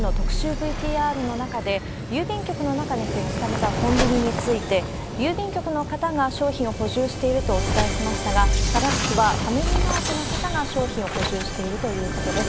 ＶＴＲの中で、郵便局の中に設置されたコンビニについて、郵便局の方が商品を補充しているとお伝えしましたが、正しくはファミリーマートの方が商品を補充しているということです。